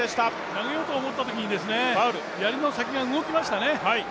投げようと思ったときに、やりの先が動きましたね。